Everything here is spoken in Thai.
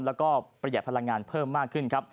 แล้วก็ประหยัดพลังงานเพิ่มมากขึ้นครับ